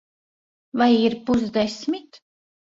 Vai ir pusdesmit?